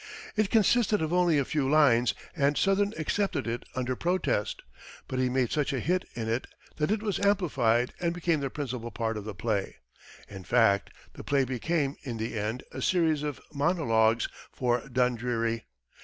It consisted of only a few lines and Sothern accepted it under protest, but he made such a hit in it that it was amplified and became the principal part of the play. In fact, the play became, in the end, a series of monologues for Dundreary.